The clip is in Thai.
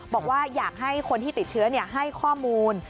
บอกว่าอยากให้คนที่ติดเชื้อให้ข้อมูล